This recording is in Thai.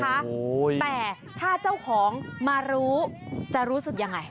แต่ถ้าเจ้าของมารู้จะรู้สุดยังไง